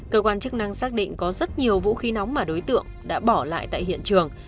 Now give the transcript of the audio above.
cơ quan chức năng xác định có rất nhiều vũ khí nóng mà đối tượng đã bỏ lại tại hiện trường